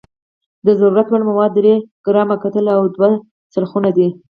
د ضرورت وړ مواد درې ګرامه کتلې او دوه څرخونه دي.